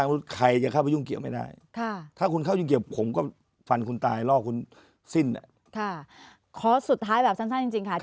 ไม่ได้ค่ะถ้าคุณเข้ายุ่งเกี่ยวผมก็ฟันคุณตายล่อคุณสิ้นค่ะขอสุดท้ายแบบสั้นสั้นจริงจริงค่ะ